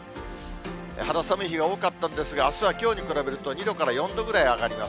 肌寒い日が多かったんですが、あすはきょうに比べると、２度から４度ぐらい上がります。